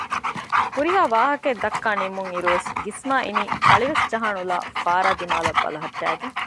ހުރިހާ ވާހަކައެއް ދައްކާ ނިމުނު އިރުވެސް ގިސްމާ އިނީ ކަޅިވެސް ޖަހާ ނުލާ ފާރާ ދިމާލަށް ބަލަހައްޓައިގެން